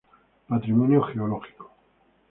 Patrimonio geológico